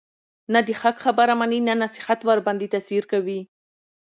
نه د حق خبره مني، نه نصيحت ورباندي تأثير كوي،